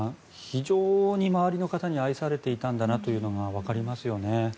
非常に周りの方に愛されていたんだなというのがわかりますよね。